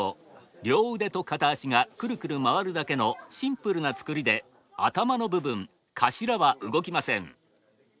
両腕と片足がくるくる回るだけのシンプルな作りで頭の部分頭は動きません。